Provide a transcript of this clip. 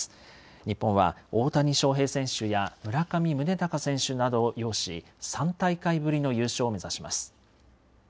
日本は大谷翔平選手や村上宗隆選手などを擁し、３大会ぶりの優勝を目指します。